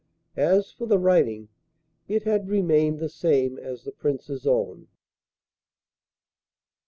As for the writing, it had remained the same as the Prince's own.